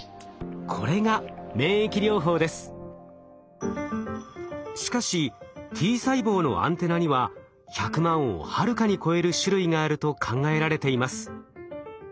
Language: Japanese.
これがしかしＴ細胞のアンテナには１００万をはるかに超える種類があると考えられています。